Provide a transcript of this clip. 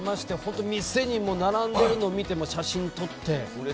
店にも並んでいるのをみても写真撮って。